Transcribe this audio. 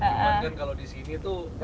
cuman kan kalau di sini tuh